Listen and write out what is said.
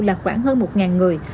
là khoảng hơn một người